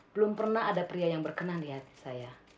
belum pernah ada pria yang berkenan di hati saya